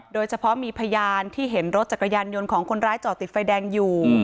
โดยเฉพาะมีพยานที่เห็นรถจักรยานยนต์ของคนร้ายจอดติดไฟแดงอยู่